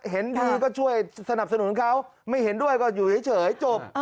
เห็นพอดีก็ช่วยสนับสนุนเขาไม่เห็นด้วยก็อยู่เฉยจบ